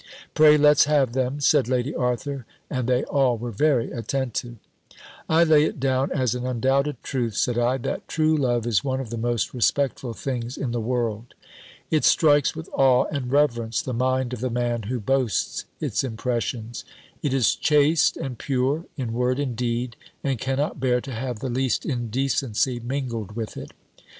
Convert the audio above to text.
"Pray let's have them," said Lady Arthur; and they all were very attentive. "I lay it down as an undoubted truth," said I, "that true love is one of the most respectful things in the world. It strikes with awe and reverence the mind of the man who boasts its impressions. It is chaste and pure in word and deed, and cannot bear to have the least indecency mingled with it.